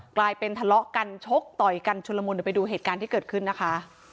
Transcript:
กลายเป็นทะเลาะกันชกต่อยกันชุนละมุนเดี๋ยวไปดูเหตุการณ์ที่เกิดขึ้นนะคะ